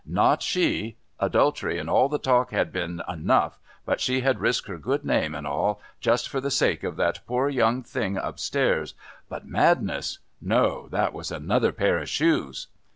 Not she! Adultery and all the talk had been enough, but she had risked her good name and all, just for the sake of that poor young thing upstairs, but madness! no, that was another pair of shoes.